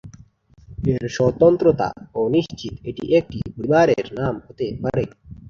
এর স্বতন্ত্রতা অনিশ্চিত; এটি একটি পরিবারের নাম হতে পারে।